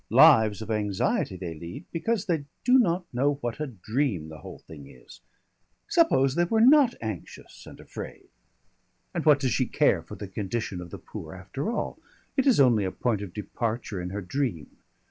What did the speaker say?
Lives of anxiety they lead, because they do not know what a dream the whole thing is. Suppose they were not anxious and afraid.... And what does she care for the condition of the poor, after all? It is only a point of departure in her dream.